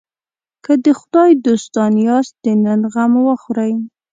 که د خدای دوستان یاست د نن غم وخورئ.